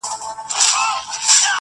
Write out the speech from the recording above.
له یوه ورانه تر بل پوري به پلن وو-